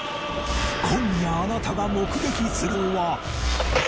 今夜あなたが目撃するのは